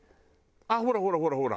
ほらほらほらほら！